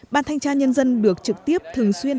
ban thanh tra nhân dân được trực tiếp thường xuyên